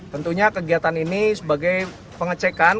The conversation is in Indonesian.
tentunya kegiatan ini sebagai pengecekan